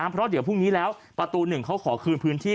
เพราะเดี๋ยวพรุ่งนี้แล้วประตู๑เขาขอคืนพื้นที่